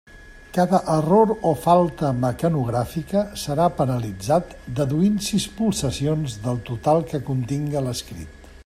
Cada error o falta mecanogràfica serà penalitzat deduint sis pulsacions del total que continga l'escrit.